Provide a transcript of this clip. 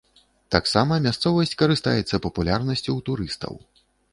Таксама мясцовасць карыстаецца папулярнасцю ў турыстаў.